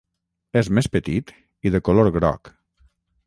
És més petit i de color groc.